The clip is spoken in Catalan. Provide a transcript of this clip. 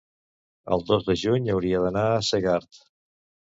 El dos de juny hauria d'anar a Segart.